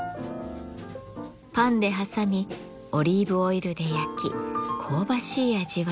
パンで挟みオリーブオイルで焼き香ばしい味わいに。